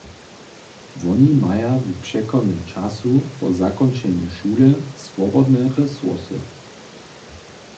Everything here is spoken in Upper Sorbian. Woni maja w přechodnym času po zakónčenju šule swobodne resursy.